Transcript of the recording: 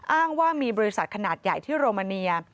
อ้างว่ามีบริษัทขนาดใหญ่ที่โรมาเนีย